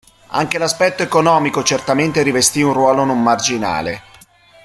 Anche l'aspetto economico certamente rivestì un ruolo non marginale.